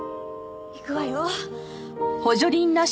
いくわよ。